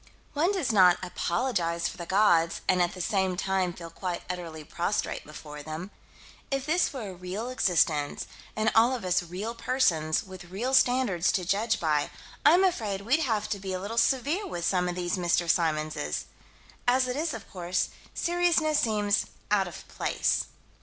One does not apologize for the gods and at the same time feel quite utterly prostrate before them. If this were a real existence, and all of us real persons, with real standards to judge by, I'm afraid we'd have to be a little severe with some of these Mr. Symonses. As it is, of course, seriousness seems out of place.